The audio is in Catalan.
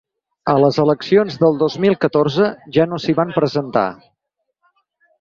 A les eleccions del dos mil catorze ja no s’hi van presentar.